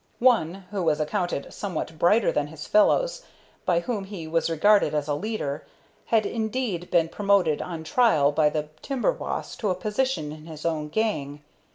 One, who was accounted somewhat brighter than his fellows, by whom he was regarded as a leader, had indeed been promoted on trial by the timber boss to a position in his own gang.